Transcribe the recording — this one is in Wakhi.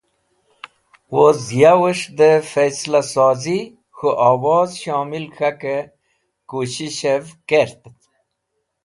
Woz yaves̃h de faisila sozi k̃hu owoz shomil k̃hake kusheshev kert.